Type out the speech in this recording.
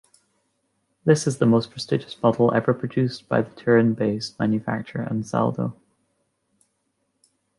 This is the most prestigious model ever produced by the Turin-based manufacturer Ansaldo.